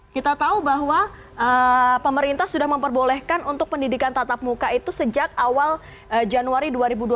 kita tahu bahwa pemerintah sudah memperbolehkan untuk pendidikan tatap muka itu sejak awal januari dua ribu dua puluh